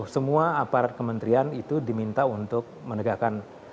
semua aparat kementerian itu diminta untuk menegakkan